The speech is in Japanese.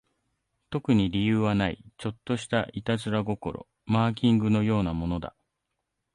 特に理由はない、ちょっとした悪戯心、マーキングのようなものだ